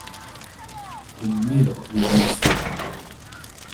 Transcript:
Kun miro li levis la kapon.